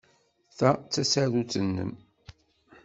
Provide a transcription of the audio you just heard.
Ta d tasarut-nnem.